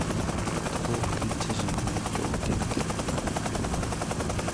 都道府県知事の免許を受けなければならない